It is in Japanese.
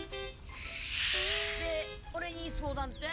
でオレに相談って？